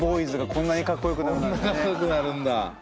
こんなかっこよくなるんだ。